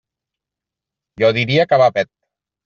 Jo diria que va pet.